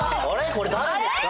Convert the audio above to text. これ誰ですか？